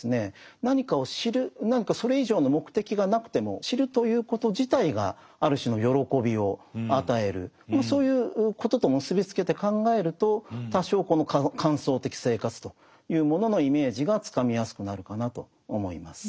何かを知る何かそれ以上の目的がなくてもそういうことと結び付けて考えると多少この観想的生活というもののイメージがつかみやすくなるかなと思います。